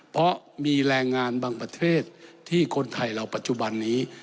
เพราะมีแรงงานบางประเทศที่คนไทยเราปัจจุบันนี้